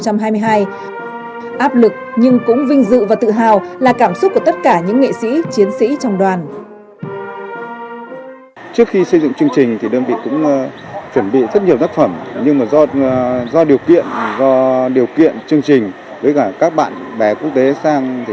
áp lực nhưng cũng vinh dự và tự hào là cảm xúc của tất cả những nghệ sĩ chiến sĩ trong đoàn